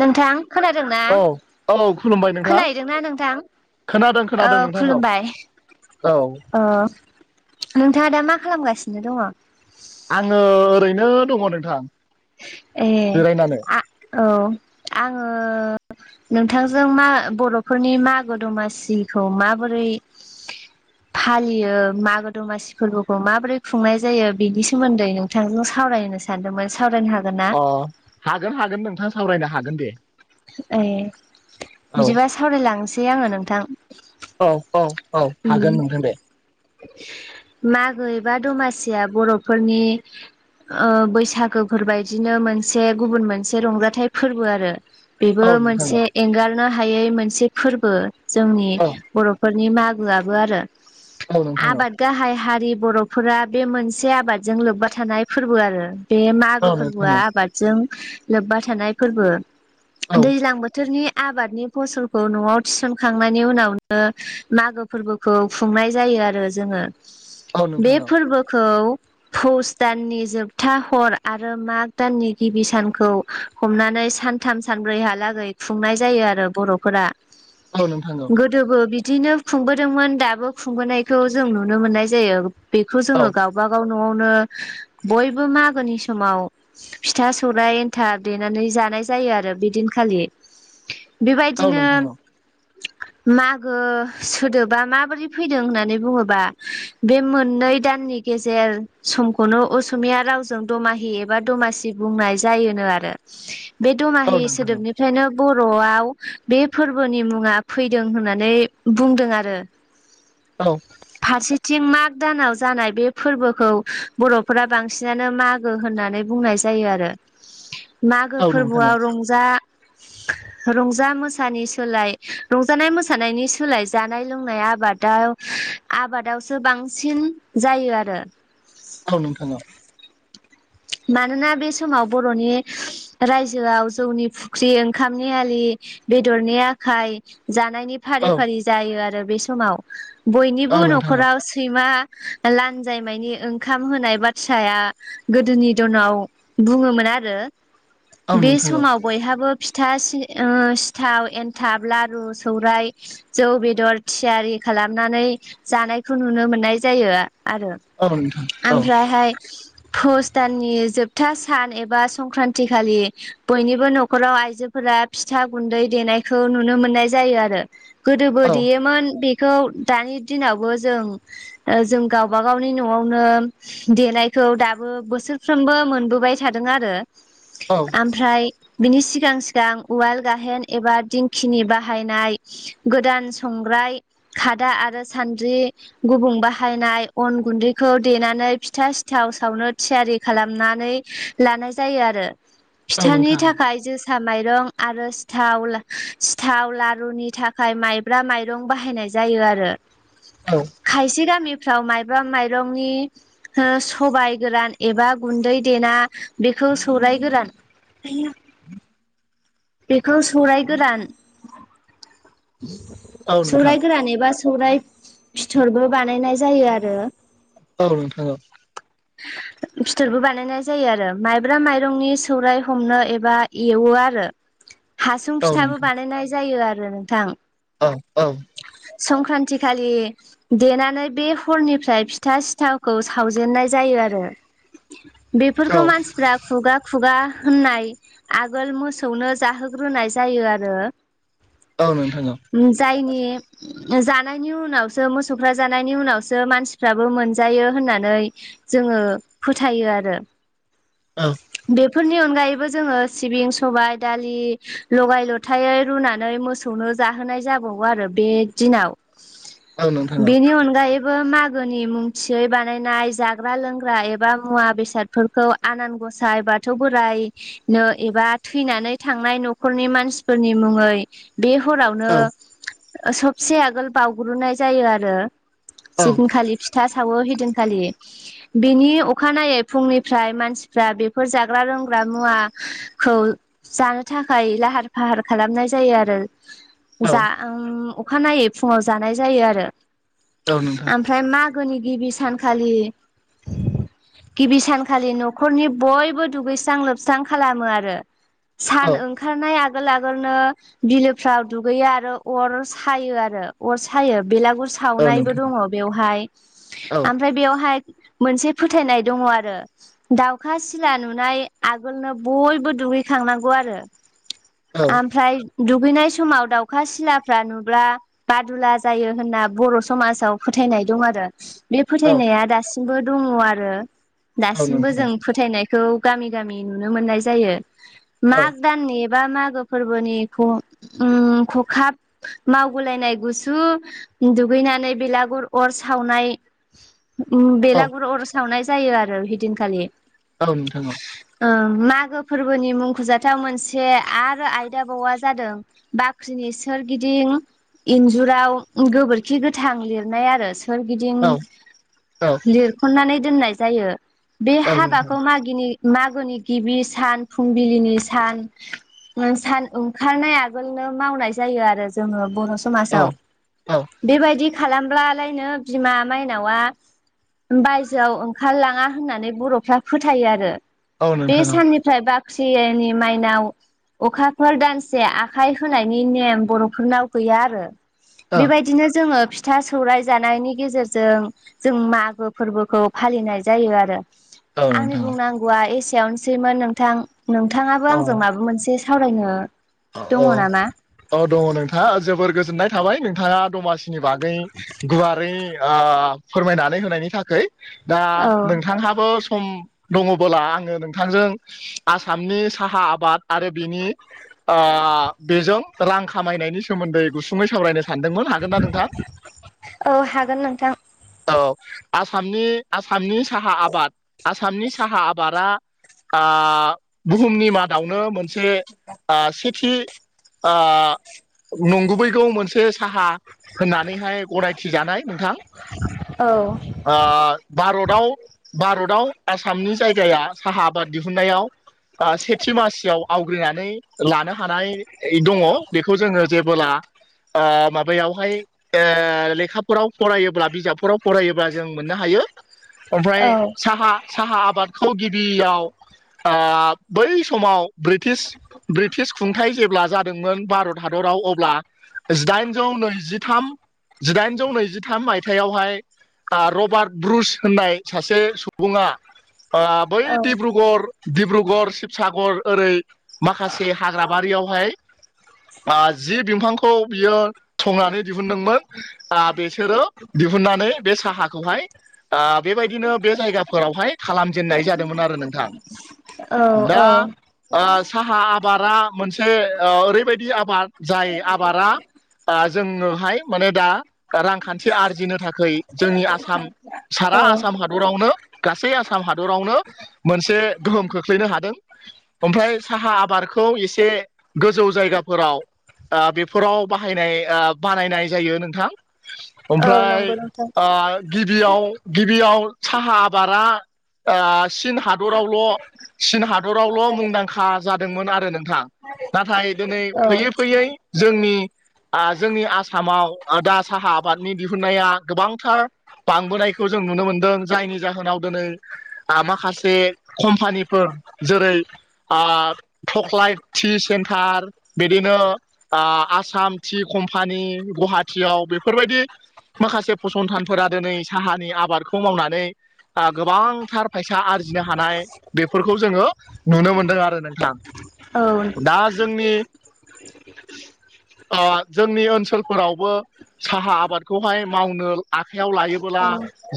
नोंथां खोनादों ना औ औ खुलुमबाय नोंथां खोनाहैदों ना नोंथां? खोनादों ओ खोनादों नोंथांखौ खुलुमबाय औ नोंथाङा दा मा खालामगासिनो दङ? आङो ओरैनो दङ नोंथां ए जिरायनानै आ औ आङो नोंथांजों मा बर'फोरनि मागो दमासिखौ माबोरै [inaudible] फालियो मागो दमासि फोरबोखौ माबोरै खुंनाय जायो बिनि सोमोन्दै नोंथांजों सावरायो सानदोंमोन सावरायनो हागोन ना? अ हागोन हागोन नोंथां सावरायनो हागोन दे ए औ बिदिबा सावरायलांसै आङो नोंथां औ औ औ हागोन नोंथां दे मागो एबा दमासिया बर'फोरनि ओ बैसागोफोरबायदिनो मोनसे गुबुन मोनसे रंजाथाइ फोरबो आरो बेबो औ नोंथां मोनसे औ एंगारनो हायै मोनसे फोरबो जोंनि औ बर' फोरनि मागोआबो आरो औ नोंथां औ आबाद गाहाय हारि बर'फोरा बे मोनसे आबादजों लोब्बा थानाय फोरबो आरो बे औ मागो नोंथां फोरबोआ औ आबादजों लोब्बा थानाय फोरबो औ दैज्लां बोथोरनि आबादनि फसलखौ न'आव थिसनखांनायनि उनावनो मागो फोरबोखौ खुंनाय जायो आरो जोङो [inaudible] बे औ फोरबोखौ फुस दाननि जोबथा हर आरो माग दाननि गिबि सानखौ हमनानै सानथाम सानब्रैहालागै खुंनाय जायो आरो बर'फोरा औ नोंथां औ दोबो बिदिनो खुंबोदोंमोन दाबो खुंबोनायखौ जों नुनो मोननाय जायो बेखौ औ औ नोंथां औ जोङो गावबागाव न'आवनो बयबो मागोनि समाव फिथा सौराइ एन्थाब देनानै जानाय जायो आरो बिदिनखालि औ बेबायदिनो नोंथां औ [inaudible] मागो सोदोबा माबोरै फैदों होननानै बुङोबा बे मोननै दाननि गेजेर समखौनो असमिया रावजों दमाहि एबा दमासि बुंनाय जायोनो आरो [inaudible] बे दमाहिस औ बेफ्रायनो बर'आव बे फोरबोनि मुङा फैदों होननानै बुंदों आरो औ फारसेथिं माग दानाव जानाय बे फोरबोखौ बर'फोरा बांसिनानो माग गो होननानै बुंनाय जायो आरो [inaudible] मागो नोंथां औ फोरबोआव रंजा रंजा मोसानि सोलाय रंजानाय मोसानायनि सोलाय जानाय लोंनाय आबाद दा आबादावसो बांसिन जायो आरो। औ नोंथाङा। मानोना बे समाव बर'नि रायजोआव जौनि फुख्रि ओंखामनि आलि बेदरनि आखाय जानायनि फारि औ फारि जायो आरो बे समाव बयनिबो औ नोंथां औ न'खराव सैमा लानजायमानि ओंखाम होनाय बाथ्राया गोदोनि न बुङोमोन आरो औ बे नोंथां औ समाव बयहाबो फिथा सि सिथाव एनथाब लारु सौराय जौ बेदर थियारि खालामनानै जानायखौ नुनो मोननाय जायो आरो औ नोंथां औ ओमफ्रायहाय फस् भु दाननि जोबथा सान एबा संक्रान्ति खालि बयनिबो न'खराव आइजोफोरा फिथा गुन्दै देनायखौ नुनो मोननाय जायो आरो गोदोबो औ देयोमोन बेखौ दानि दिनावबो जों जों गावबा गावनि न'आवनो देनायखौ दाबो बोस बोसोरफ्रोमबो मोनबोबाय थादों आरो ओमफ्राय बिनि सिगां सिगां उवाल गाहेन एबा दिंखिनि बाहायनाय गोदान संग्राय खादा आरो सान्द्रि गुबुं बाहायनाय अन गुन्दैखौ देनानै फिथा सिथाव सावनो थियारि खालामनानै लानाय जायो आरो फिथानि नोंथां थाखाय ज सििथा माइरं आरो सिथाव लारुनि थाखाय माइब्रा माइरं बाहायनाय जायो जायो आरो औ खायसे गामिफ्राव माइबा माइरंनि सबाय गोरान एबा गुन्दै देना बेखौ सौराय गोरान बेखौ सौराय गोदान औ नोंथां सौराय गोरान ए बा सौराय बिथिथरबो बानायनाय जायो आरो। औ औ। फिथोरबो बानायनाय जायो आरो माइब्रा माइरंनि सौराय हमनो एबा एवो आरो हासुं औ औ फिथाबो नोंथां बानायनाय जायो आरो नोंथां औ औ संक्रान्ति खालि देनानै बे हरनिफ्राय फिथा सिथावखौ सावजेननाय जायो आरो। औ बेफोरखौ मानसिफ्रा खुगा खुगा होननाय आगोल मोसौनो जाहोग्रोनाय जायो आरो औ नोंथां औ जायनि जानायनि उनावसो मोसौफ्रा जानायनि उनावसो मानसिफ्राबो मोनजायो होननानै जोङो फोथायो आरो औ बे बेफोरनि अनगायैबो जोङो सिबिं सबाय दालि लगाय लथायै रुनानै मोसौ सौनो जाहोनाय जाबावो आरो बे दिनाव औ नोंथां औ बेनि अनगायै बो मागोनि मुंथियै बानायनाय जाग्रा लोंग्रा एबा मुवा बेसाद फोरखौ आनान गसाय बाथौ बोराइ नो एबा थैनानै थांनाय न'खरनि मानसिफोरनि मुङै बे हरावनो औ सबसे आगोल बावग्रोनाय जायो आरो। औ जदिनखालि फिथा सावो हदिनखालि। बेनि अखानायै फुंनिफ्राय मानसिफ्रा बेफोर जाग्रा लोंग्रा मुवा खौ जानो थाखाय लाहार फाहार खालामनाय जायो आरो। औ जा अखानायै फुङाव जानाय जायो आरो। औ नोंथां ओमफ्राय मागोनि गिबि सानखालि गिबि सानखालि न'खरनि बयबो दुगैस्रां लोबस्रां खालामो आरो। सान औ ओंखारनाय आगोल आगोलनो बिल फाव दुगैयो आरो अर सायो आरो अर सायो बेलागुर औ सावनायबो नोंथां दंङ बेयावहाय औ आमफ्राय बेयावहाय मोनसे फोथायनाय दंङ आरो दाउखा सिला नुनाय आगोलनो बयबो दुगैखांनांगौ आरो औ आमफ्राय दुगैनाय समाव दाउखा सिलाफ्रा नुब्ला बादुला जायो होनना बर' समाजाव फोथायनाय दं आरो बे फोथायनाया दासिमबो दंङ आरो औ नोंथां दासिमबो जों फोथायनायखौ गामि गामि नुनो मोननाय जायो औ माग दाननि बा मागो फोरबोनि आं उम्म खखाब मावगुलायनाय गुसु दुगैनानै बेलागुर अर सावनाय उम्म औ बेलागुर अर सावनाय जायो आरो ओइदिनखालि औ नोंथां औ ओ मागो फोरबोनि मुंख'जाथाव मोनसे से आरो आयदा बावा जादों बाख्रिनि सोरगिदिं इन्जुराव गोबोरखि गोथां लिरनाय आरो सो सोरगिदिं औ लिरखननानै दोननाय जायो बे औ हाबाखौ मागिनि मागोनि गिबि सान फुंबिलिनि सान उम्म सान ओंखारनाय आगोलनो मावनाय जायो आरो जोंङो बर' स समासाव बेबायदि खालामब्लालायनो बिमा माइनावा बायजोआव ओंखारलांङा होननानै बर'फ्रा फोथायो आरो बे नोंथां साननिफ्राय बाख्रिइनि माइनाव अखाफोर दानसे आखाइ होनायनि नेम बर'फोरनाव गैया आरो बेबायदिनो जोंङो फिथा सौराय जानायनि गेजेरजों जों मागो फोरबोखौ फालिनाय जायो आरो आंनि बुंनांगौआ एसेयावनोसैमोन नोंथां नोंथांङाबो आंजों माब मोनसे सावरायनो औ दङ नामा औ दंङ नोंथांङा जोबोर गोजोननाय थाबाय नोंथांङा दमासि नि बागै गुवारै ओ फोरमायनानै होनायनि थाखै दा औ नोंथांहाबो सम दंङबोला आंङो नोंथांजों आसामनि साहा आबाद आरो बिनि आ बेजों रां खामायनायनि सोमोन्दै गुसुंङै सावरायनो सानदोंमोन हागोन ना नोंथां? औ हागोन नोंथां औ आसामनि आसामनि साहा आबाद आसामनि साहा आबादा आ बुहुमनि मादावनो मोनसे आ सेथि आ नंगुबैगौ मोनसे साहा होननानैहाय गनायथि जानाय नोंथां औ। आं भारताव भारताव आसामनि जायगाया साहा आबाद दिहुननायाव आ सेथि मासियाव आवग्रिनानै लानो हानाय दंङ बेखौ जोंङो जेबोला ओ माबायावहाय ओ लेखाफोराव फरायोब्ला बिजाबफोराव फरायोब्ला जों मोननो हायो ओमफ्राय औ साहा साहा आबादखौ गिबियाव आ बै समाव ब्रिटिश ब्रिटिस खुंथायाइ जेब्ला जादोंमोन भारत हादराव अब्ला जिदाइनजौ नैजिथाम जिदाइनौ नैजिथाम मायथाइयावहाय आ रबार्ट ब्रुस होननाय सासे सु बुंङा ओ बै डिब्रुगर डिब्रुगर शिबसागर ओरै माखासे हाग्राबारियावहाय ओ जि बिमफांखौ बियो संनानै दिहुनदोंमोन आ बेसोरो दिहुननानै बे साहाखौहाय आ बेबायदिनो बे जायगाफोरावहाय खालामजेननाय जादोंमोन आरो नोंथां औ दा औ साहा आबादा मोनसे ओरैबायदि आबाद जाय आबादा दा जोंनोहाय माने दा रांखान्थि आरजिनो थाखाय जोंनि आसाम सारा औ आसाम हादर हादरावनो गासै आसाम हादरावनो मोनसे गोहोम खोख्लैनो हादों ओमफ्राय साहा आबादखौ एसे गोजौ जायगाफोराव ओ बेफोराव बाहायनाय ओ बानायनाय जायो नोंथां औ ओमफ्राय नंगौ नोंथां गिबियाव गिबियाव साहा आबादा ओ चिन हादरावल' चिन हादरावल' मुंदांखा जादोंमोन आरो नोंथां नाथाय दिनै औ फैयै फैयै जोंनि जोंनि आसामाव दा साहा आबादनि दिहुननाया गोबांथार बांबोनायखौ जों नुनो मोनदों जायनि जाहोनाव दिनै माखासे कम्पानिफोर जेरै ओ थक्लइट टि सेन्टार बिदिनो आसाम टि कम्पानि गुवाहाटियाव बेफोरबायदि माखासे फसंथानफोरा दिनै साहानि आबादखौ मावनानै गोबांथार फायसा आरजिनो हानाय बेफोरखौ जोङो नुनो मोन दों आरो नोंथां औ दा जोंनि [inaudible] ओ जोंनि ओनसोलफोरावबो साहा आबादखौहाय मावनो आखाइयाव लायोबोला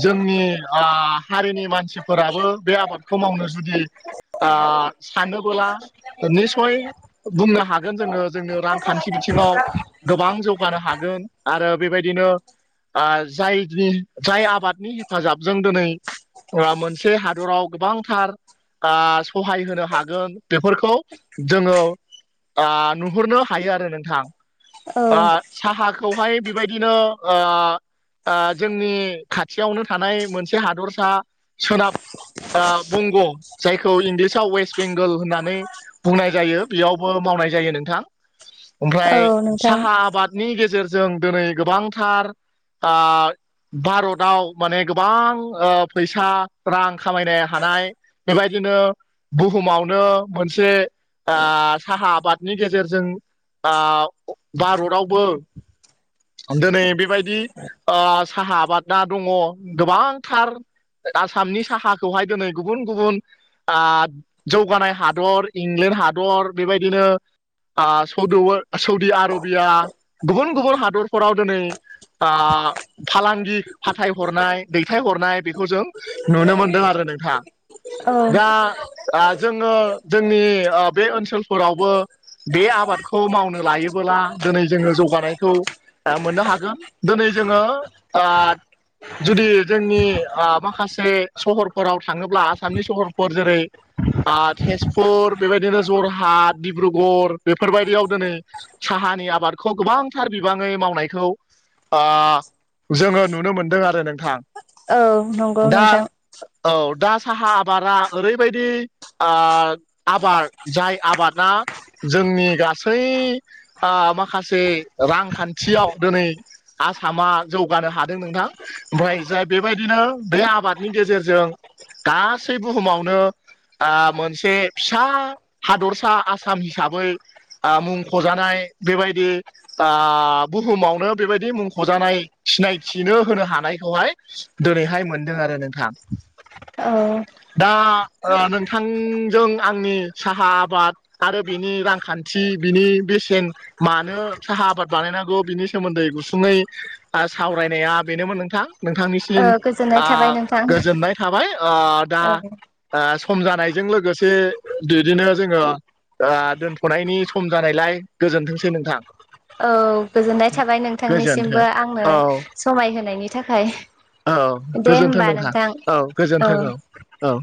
जोंनि ओ हारिनि मानसिफोराबो बे आबादखौ मावनो जुदि ओ सानबोला निस्सय बुंनो हागोन जोङो जोंनि रांखान्थि बिथिङाव गोबां जौगानो हागोन आरो बेबायदिनो ओ जायनि जाय आबादनि हेफाजाबजों दिनै मोनसे हादराव गोबांथार सहाय होनो हागोन बेफोरखौ जोङो नुहरनो हायो आरो नोंथां। औ साहाखौहाय बेबायदिनो ओ ओ जोंनि खाथियावनो थानाय मोनसे हादरसा सोनाब बंग' जायखौ इंलिसाव वेस्ट बेंगोल होननानै बुंनाय जायो बेयावबो मावनाय जायो नोंथां ओमफ्राय औ नोंथां साहा आबादनि गेजेरजों दिनै गोबांथार ओ भारताव माने गोबां फैसा रां खामायनो हानाय बेबायदिनो बुहुमावनो मोनसे साहा ओ आबादनि गेजेरजों ओ भारतावबो दिनै बेबायदि ओ साहा आबादा दङ गोबांथार आसामनि साहाखौहाय दिनै गुबुन गुबुन ओ जौगानाय हादर इंलेण्ड हादर बेबायदिनो ओ सौदु सौदि आरबिया गुबुन गुबुन हादरफोराव दिनै ओ फालांगि फाथायहरनाय दैथायहरनाय बेखौ जों नुनो मोनदों आरो नोंथां औ दा दा जोङो जोंनि ओ बे ओनसोलफोरावबो बे आबादखौ मावनो लायोबोला दिनै जोङो जौगानायखौ ओ मोननो हागोन दिनै जोङो जुदि जोंनि माखासे सहरफोराव थाङोब्ला आसामनि सहरफोर जेरै ओ तेजपुर बेबायदिनो जरहाट डिब्रुगड़ बेफोरबायदियाव दिोनै साहानि आबादखौ गोबांथार बिबाङै मावनाय खौ जोङो नुनो मोनदों आरो नोंथां। औ नंगौ दा नोंथां औ दा साहा आबादा ओरैबायदि आ आबाद जाय आबादा जोंनि गासै आ माखासे रांखान्थियाव दिनै आसामा जौगानो हादों नोंथां ओमफ्राय जाय बेबायदिनो बे आबादनि गेजेरजों गासै बुहुमावनो मोनसे फिसा हादरसा आसाम हिसाबै आ मुंख'जानाय बेबायदि आ बुहुमावनो बेबायदि मुंख'जानाय सिनायथिनो होनो हानायखौहाय दोनैहाय मोनदों आरो नोंथां। औ दा नोंथांजों आंनि साहा आबाद आरो बिनि रांखान्थि बिनि बेसेन मानो साहा आबाद बानायनांगौ बिनि सोमोन्दै गुसुङै सावरायनाया बेनोमोन नोंथां नोंथांनि ओ गोजोननाय आ गोजोननाय थाबाय आ औ ओ सम जानायजों लोगोसे बिदिनो जोङो दोनथ'नायनि सम जानायलाय गोजोनथोंसै नोंथां। औ गोजोननाय थाबाय गोजोनथों नोंथांनिसिमबो आङनो औ समायहोनायनि थाखाय। औ दे गोजोनथों होमबा नोंथां औ औ। गोजोनथों औ